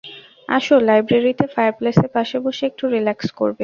আসো, লাইব্রেরিতে ফায়ারপ্লেসের পাশে বসে একটু রিলাক্স করবে।